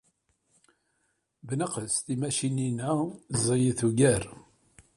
Bnaqes, timacinin-a ẓẓayit ugar.